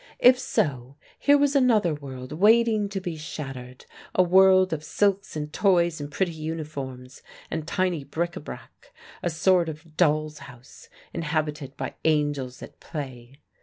If so, here was another world waiting to be shattered a world of silks and toys and pretty uniforms and tiny bric a brac a sort of doll's house inhabited by angels at play.